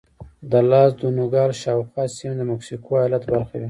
د لاس دو نوګالس شاوخوا سیمې د مکسیکو ایالت برخه وې.